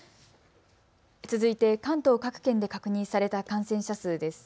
続いて関東各県で確認された感染者数です。